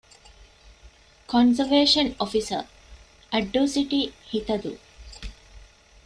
ކޮންޒަވޭޝަން އޮފިސަރ - އައްޑޫ ސިޓީ ހިތަދޫ